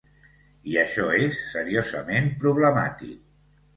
I això és seriosament problemàtic.